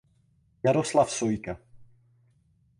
Jaroslav Sojka.